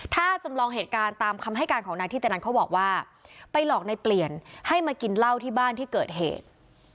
ถ้าจำลองเหตุการณ์ตามคำให้การของนายธิตนันเขาบอกว่าไปหลอกในเปลี่ยนให้มากินเหล้าที่บ้านที่เกิดเหตุ